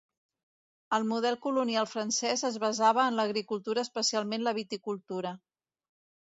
El model colonial francès es basava en l'agricultura especialment la viticultura.